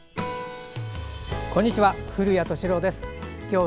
こんにちは。